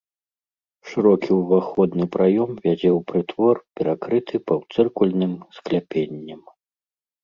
Шырокі ўваходны праём вядзе ў прытвор, перакрыты паўцыркульным скляпеннем.